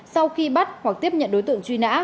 sau khi bắt hoặc tiếp nhận đối tượng truy nã